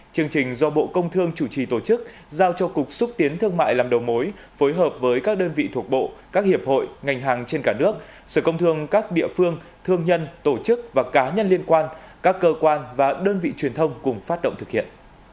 chương trình do bộ công thương chủ trì tổ chức giao cho cục xúc tiến thương mại làm đầu mối phối hợp với các đơn vị thuộc bộ các hiệp hội ngành hàng trên cả nước sở công thương các địa phương thương nhân tổ chức và cá nhân liên quan các cơ quan và đơn vị truyền thông cùng phát động thực hiện